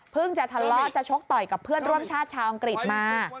จะทะเลาะจะชกต่อยกับเพื่อนร่วมชาติชาวอังกฤษมา